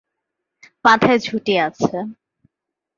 মাথায় ঝুঁটি আছে।